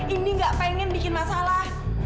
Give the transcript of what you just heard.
ini gak pengen bikin masalah